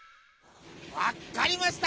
わっかりました！